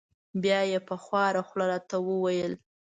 بیا یې په خواره خوله را ته و ویل: